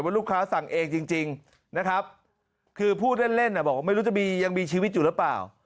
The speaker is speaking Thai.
ลูกค้าสั่งเองจริงนะครับคือพูดเล่นเล่นบอกว่าไม่รู้จะมียังมีชีวิตอยู่หรือเปล่า